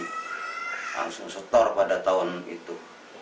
langsung setor pada tahun itu